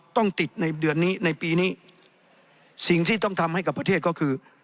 ต้องติดในเดือนนี้ในปีนี้สิ่งที่ต้องทำให้กับประเทศก็คือ